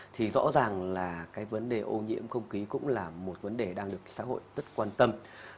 thì rõ ràng là cái vấn đề ô nhiễm không khí cũng là một vấn đề đang được xã hội rất quan tâm